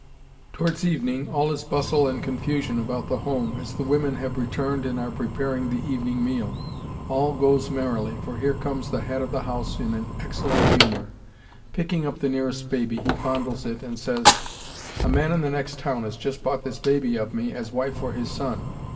Towards evening all is bustle and confusion about the home, as the women have returned and are preparing the evening meal. All goes merrily, for here comes the head of the house in an excellent humor. Picking up the nearest baby, he fondles it and says, "A man in the next town has just bought this baby of me as wife for his son.